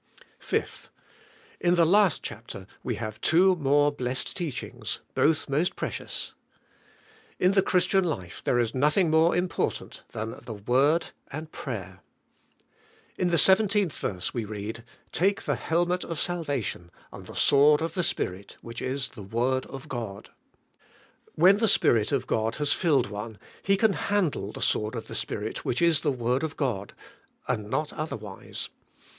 5. In the last chapter we have two more blessed teachings, both most precious. In the Christian life there is nothing more important than the Word 3.nd prayer. In the I7th verse we read, "Take the helmet of salvation and the sword of the Spirit, which is the word of God." When the Spirit of God has filled one, he can handle the sword of the Spirit, which is the word of God, and not other wise.